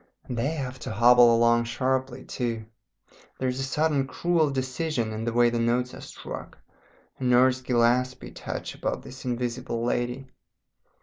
And they have to hobble along sharply too; there is a certain cruel decision in the way the notes are struck, a Nurse Gillespie touch about this Invisible Lady.